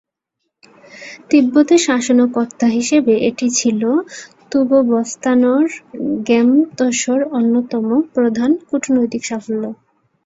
তিব্বতের শাসনকর্তা হিসেবে এটি ছিল থুব-ব্স্তান-র্গ্যা-ম্ত্শোর অন্যতম প্রধান কূটনৈতিক সাফল্য।